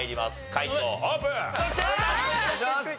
解答オープン。